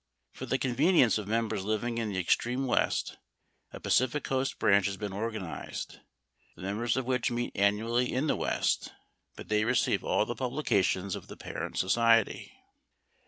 For the convenience of members living in the extreme West, a Pacific Coast branch has been organized, the members of which meet annually in the West, but they receive all the publications of the parent society.